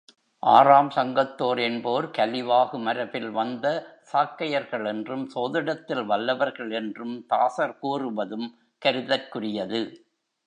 ஆறாம் சங்கத்தார் என்போர் கலிவாகு மரபில் வந்த சாக்கையர்கள் என்றும் சோதிடத்தில் வல்லவர்கள் என்றும் தாசர் கூறுவதும் கருதற்குரியது.